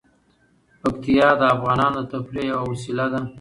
پکتیا د افغانانو د تفریح یوه وسیله ده.